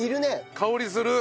香りする。